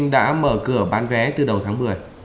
đã mở cửa bán vé từ đầu tháng một mươi